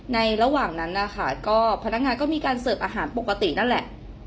ระหว่างนั้นนะคะก็พนักงานก็มีการเสิร์ฟอาหารปกตินั่นแหละ